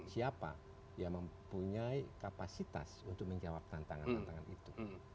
siapa yang mempunyai kapasitas untuk menjawab tantangan tantangan itu